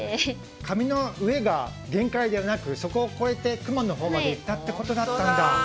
紙の上が限界じゃなくそこを超えて雲のほうまで行ったってことだったんだ。